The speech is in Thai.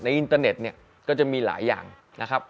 อินเตอร์เน็ตเนี่ยก็จะมีหลายอย่างนะครับ